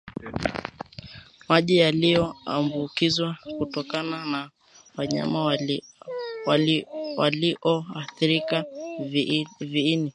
maji yaliyoambukizwa kutokana na wanyama walioathirika viini